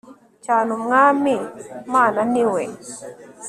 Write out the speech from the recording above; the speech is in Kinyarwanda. cyane umwami mana niwe